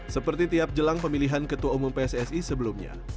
seperti tiap jelang pemilihan ketua umum pssi sebelumnya